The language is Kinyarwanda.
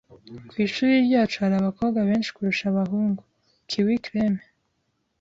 Ku ishuri ryacu hari abakobwa benshi kurusha abahungu. (KiwiCreme)